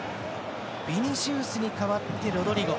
ビニシウスに代わってロドリゴ。